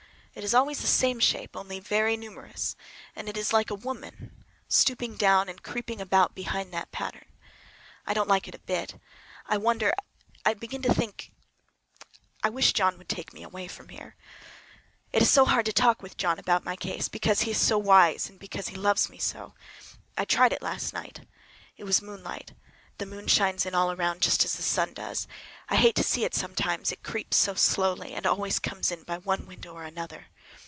It is always the same shape, only very numerous. And it is like a woman stooping down and creeping about behind that pattern. I don't like it a bit. I wonder—I begin to think—I wish John would take me away from here! It is so hard to talk with John about my case, because he is so wise, and because he loves me so. But I tried it last night. It was moonlight. The moon shines in all around, just as the sun does. I hate to see it sometimes, it creeps so slowly, and always comes in by one window or another.